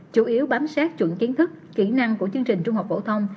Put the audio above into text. chủ yếu bám sát chuẩn kiến thức kỹ năng của chương trình trung học phổ thông